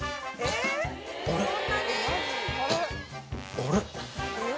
あれ？